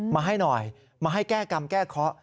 มาให้หน่อยมาให้แก้กรรมแก้เคาะ